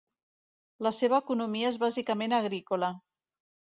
La seva economia és bàsicament agrícola.